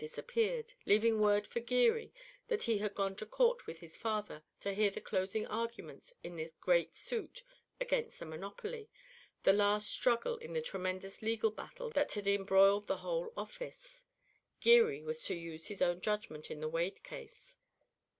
disappeared, leaving word for Geary that he had gone to court with his father to hear the closing arguments in the great suit against the monopoly, the last struggle in the tremendous legal battle that had embroiled the whole office; Geary was to use his own judgment in the Wade case.